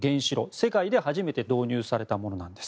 世界で初めて導入されたものなんです。